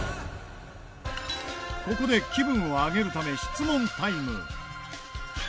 ここで気分を上げるため質問タイム。